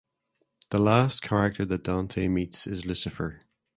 The last character that Dante meets is Lucifer.